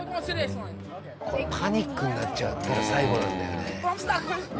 これパニックになっちゃうと最後なんだよね。